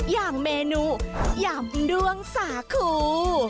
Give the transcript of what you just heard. อย่างเมนูยำด้วงสาคู